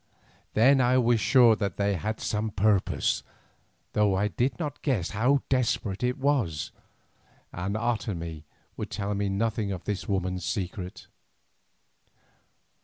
Then I was sure that they had some purpose, though I did not guess how desperate it was, and Otomie would tell me nothing of this woman's secret.